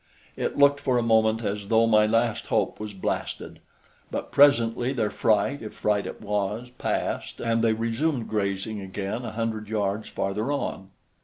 It looked for a moment as though my last hope was blasted; but presently their fright, if fright it was, passed, and they resumed grazing again a hundred yards farther on.